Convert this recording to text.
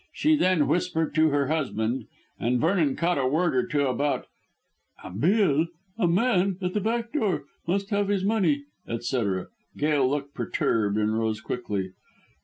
She then whispered to her husband, and Vernon caught a word or two about "a bill man at the back door must have his money," etc. Gail looked perturbed and rose quickly.